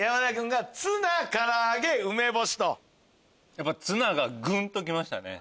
やっぱツナがグンときましたね。